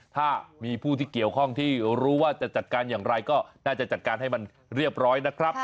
ถ้ามีผู้ที่เกี่ยวข้องที่รู้ว่าจะจัดการอย่างไรก็น่าจะจัดการให้มันเรียบร้อยนะครับ